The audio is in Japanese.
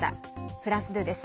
フランス２です。